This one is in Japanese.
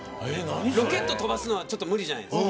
ロケットを飛ばすのはちょっと無理じゃないですか。